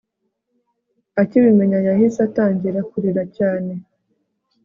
akibimenya yahise atangira kurira cyane